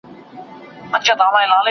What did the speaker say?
زه اوږده وخت سفر کوم؟!